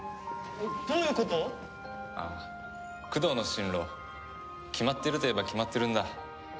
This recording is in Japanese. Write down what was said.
進路決まってるといえば決まってるんだ。